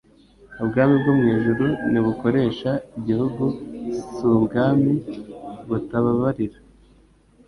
Ubwami bwo mu ijuru, ntibukoresha igihugu, si ubwami butababarira.